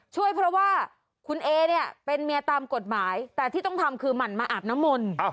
ช่วยเพราะว่าคุณเอเนี่ยเป็นเมียตามกฎหมายแต่ที่ต้องทำคือหมั่นมาอาบน้ำมนต์